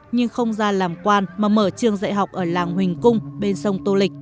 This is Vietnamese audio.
nhưng không ra làm quan mà mở trường dạy học ở làng huỳnh cung bên sông tô lịch